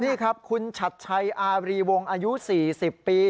นี่ครับคุณชัดชัยอารีวงอายุ๔๐ปี